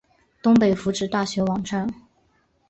东北福祉大学网站